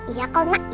iya pak ma